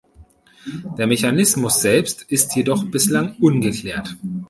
Der Mechanismus selbst ist jedoch bislang ungeklärt.